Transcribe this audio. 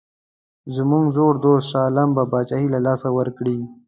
زموږ زوړ دوست شاه عالم به پاچهي له لاسه ورکړي.